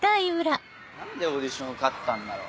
何でオーディション受かったんだろう？